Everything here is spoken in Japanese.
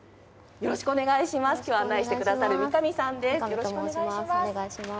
よろしくお願いします。